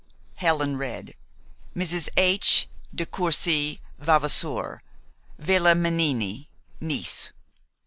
Helen read, "Mrs. H. de Courcy Vavasour, Villa Menini, Nice."